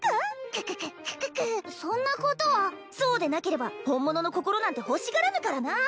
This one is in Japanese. ククククククそんなことはそうでなければ本物の心なんてほしがらぬからな